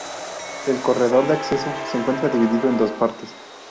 El corredor de acceso se encuentra dividido en dos partes.